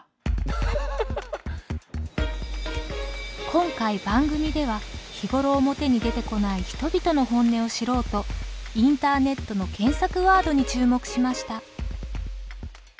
今回番組では日頃表に出てこない人々の本音を知ろうとインターネットの検索ワードに注目しました。